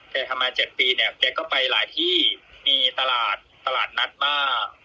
ทำมา๗ปีเนี่ยแกก็ไปหลายที่มีตลาดตลาดนัดบ้าง